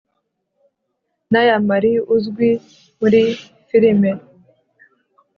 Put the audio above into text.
Naya Mari uzwi muri filime